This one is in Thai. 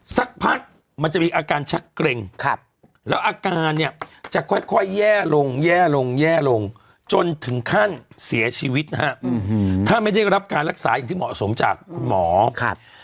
สักพักมันจะมีอาการชักเกร็งครับแล้วอาการเนี่ยจะค่อยค่อยแย่ลงแย่ลงแย่ลงจนถึงขั้นเสียชีวิตนะฮะถ้าไม่ได้รับการรักษาอย่างที่เหมาะสมจากคุณหมอครับ